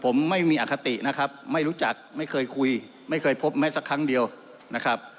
ผมไม่มีอคตินะครับไม่รู้จักไม่เคยคุยไม่เคยพบแม้สักครั้งเดียวนะครับ